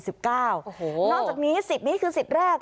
นอกจากนี้๑๐นี้คือ๑๐แรก